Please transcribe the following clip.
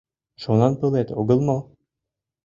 Шонанпылет огыл мо?